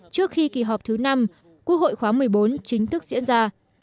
trước khi kỳ họp thứ năm quốc hội khóa một mươi bốn chính thức diễn ra